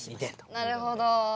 なるほど。